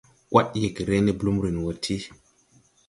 Wad yɛgre ne blumrin wɔ ti.